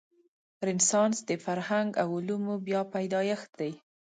رنسانس د فرهنګ او علومو بیا پیدایښت دی.